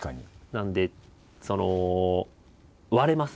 なのでその割れます